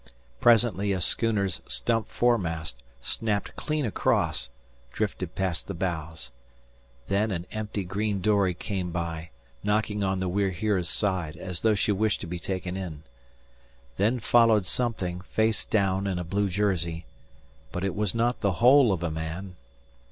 Presently a schooner's stump foremast, snapped clean across, drifted past the bows. Then an empty green dory came by, knocking on the We're Here's side, as though she wished to be taken in. Then followed something, face down, in a blue jersey, but it was not the whole of a man.